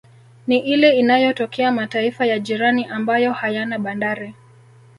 Ni ile inayotokea mataifa ya jirani ambayo hayana bandari